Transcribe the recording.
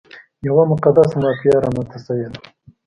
یوه مقدسه مافیا رامنځته شوې ده.